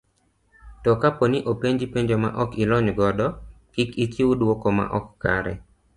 To kaponi openji penjo ma ok ilony godo, kik ichiw duoko ma ok kare.